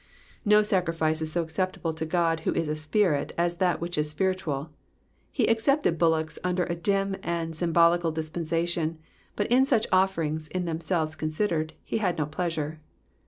'''' No sacrifice is so acceptable to God, who is a Spirit, as that which is spiritual. He accepted bullocks under a dim and symbolical dis pensation ; but in such offerings, in themselves considered, he had no pleasure.